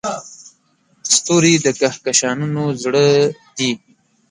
ستوري د کهکشانونو زړه دي.